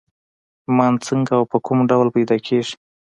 ايمان څنګه او په کوم ډول پيدا کېږي؟